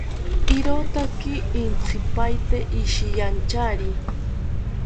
Irotaki intzipaete ishiyanchari